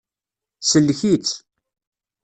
Sellek-itt.